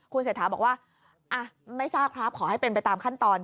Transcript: เศรษฐาบอกว่าไม่ทราบครับขอให้เป็นไปตามขั้นตอน